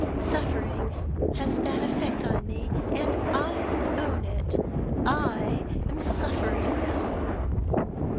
Suffering has that effect on me; and, I own it, I am suffering now."